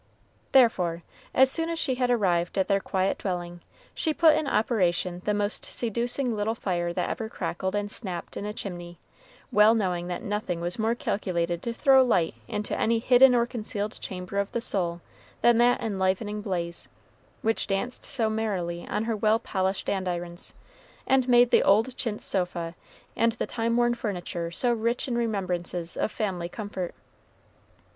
Therefore, as soon as she had arrived at their quiet dwelling, she put in operation the most seducing little fire that ever crackled and snapped in a chimney, well knowing that nothing was more calculated to throw light into any hidden or concealed chamber of the soul than that enlivening blaze, which danced so merrily on her well polished andirons, and made the old chintz sofa and the time worn furniture so rich in remembrances of family comfort.